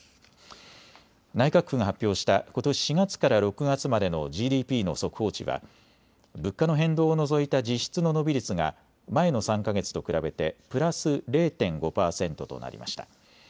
内閣府が発表したことし４月から６月までのＧＤＰの速報値は物価の変動を除いた実質の伸び率が前の３か月と比べてプラス０．５％となりました。